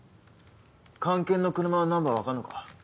菅研の車はナンバー分かんのか？